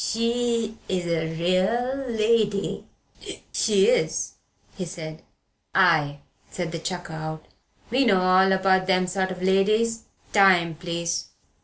"She's a real lady she is," he said. "Ay!" said the chucker out, "we know all about them sort o' ladies. Time, please!"